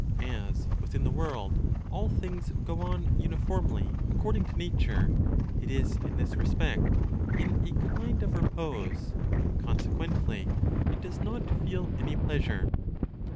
As, within the world, all things go on uniformly according to nature, it is, in this respect, in a kind of repose; consequently, it does not feel any pleasure.